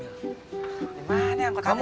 dimana angkot aneh